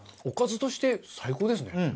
おかずとして最高ですね。